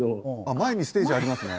前にステージありますね。